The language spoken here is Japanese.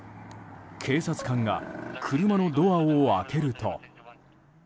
警察官が車のドアを開けると。